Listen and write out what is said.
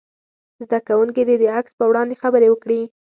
زده کوونکي دې د عکس په وړاندې خبرې وکړي.